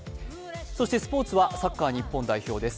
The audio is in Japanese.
そしてスポ−ツはサッカー日本代表です。